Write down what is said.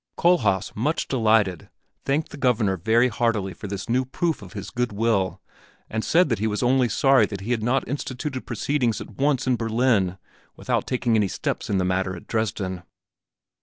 Kohlhaas, much delighted, thanked the Governor very heartily for this new proof of his good will, and said he was only sorry that he had not instituted proceedings at once in Berlin without taking any steps in the matter at Dresden.